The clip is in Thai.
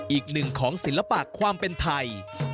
อีกหนึ่งของศิลปะความเป็นไทย